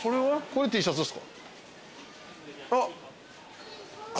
あっ！